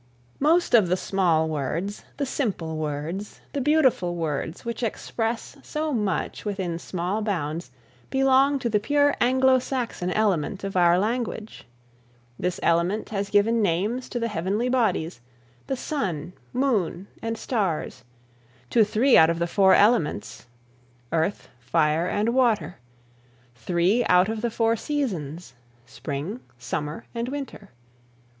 Most of the small words, the simple words, the beautiful words which express so much within small bounds belong to the pure Anglo Saxon element of our language. This element has given names to the heavenly bodies, the sun, moon and stars; to three out of the four elements, earth, fire and water; three out of the four seasons, spring, summer and winter.